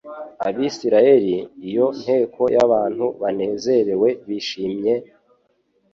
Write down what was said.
Abisiraeli. Iyo nteko y'abantu banezerewe bishimye,